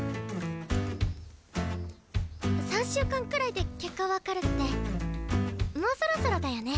３週間くらいで結果分かるってもうそろそろだよね？